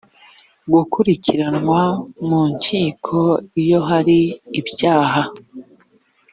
gukurikiranwa mu nkiko iyo hari ibyaha